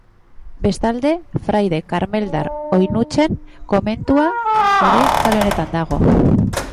Bestalde, Fraide Karmeldar Oinutsen komentua ere kale honetan dago.